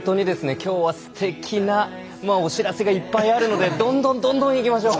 きょうはすてきなお知らせがいっぱいあるんでどんどんどんどん行きましょう。